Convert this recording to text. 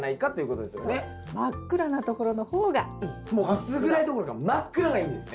薄暗いどころか真っ暗がいいんですね。